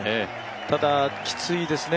ただ、きついですね。